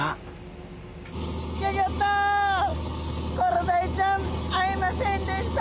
ギョギョッとコロダイちゃん会えませんでした。